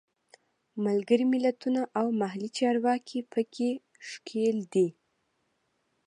ملګري ملتونه او محلي چارواکي په کې ښکېل دي.